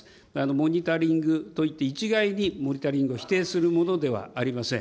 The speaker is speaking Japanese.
モニタリングといって、一概にモニタリングを否定するものではありません。